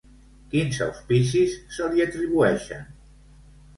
Quins auspicis se li atribueixen?